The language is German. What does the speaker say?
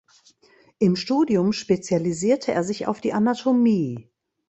Im Studium spezialisierte er sich auf die Anatomie.